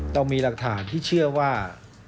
เรามีหลักฐานที่เชื่อว่า